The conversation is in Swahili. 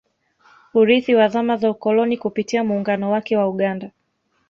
Urithi wa zama za ukoloni Kupitia muungano wake wa Uganda